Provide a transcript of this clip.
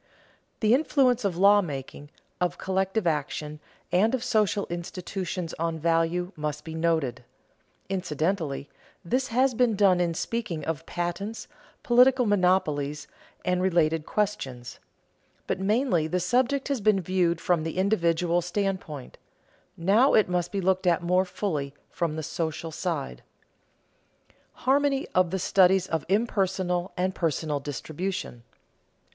The influence of lawmaking, of collective action, and of social institutions on value must be noted. Incidentally, this has been done in speaking of patents, political monopolies, and related questions; but mainly the subject has been viewed from the individual standpoint; now it must be looked at more fully from the social side. [Sidenote: Harmony of the studies of impersonal and of personal distribution] 2.